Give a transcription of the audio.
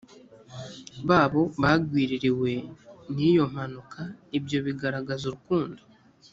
babo bagwiririwe n iyo mpanuka ibyo bigaragaza urukundo